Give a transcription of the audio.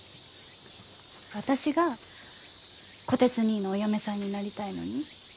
私が虎鉄にいのお嫁さんになりたいのに？